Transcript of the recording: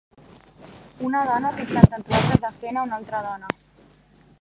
Una dona pintant tatuatges de henna a una altra dona.